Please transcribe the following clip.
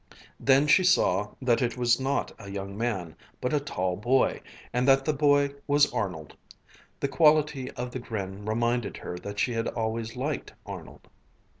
Then she saw that it was not a young man, but a tall boy, and that the boy was Arnold. The quality of the grin reminded her that she had always liked Arnold.